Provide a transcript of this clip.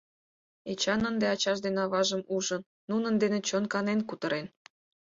Эчан ынде ачаж ден аважым ужын, нунын дене чон канен кутырен.